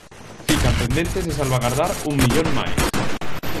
Fican pendentes de salvagardar un millón máis.